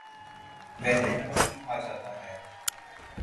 بحیرہ نمک بھی کہا جاتا ہے